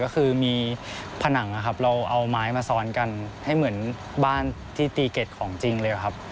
ก็คือมีผนังนะครับเราเอาไม้มาซ้อนกันให้เหมือนบ้านที่ตีเก็ตของจริงเลยครับ